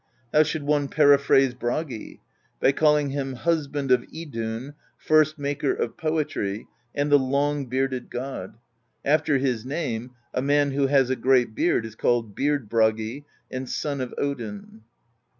How should one periphrase Bragi ? By calling him Hus band of Idunn, First Maker of Poetry, and the Long bearded God (after his name, a man who has a great beard is called Beard Bragi) and Son of Odin.